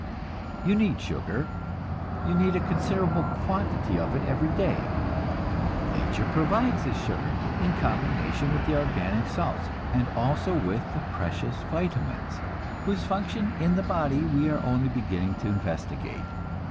You need sugar; you need a considerable quantity of it every day. Nature provides this sugar in combination with the organic salts, and also with the precious vitamines, whose function in the body we are only beginning to investigate.